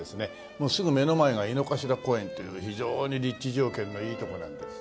もうすぐ目の前が井の頭公園という非常に立地条件のいいとこなんです。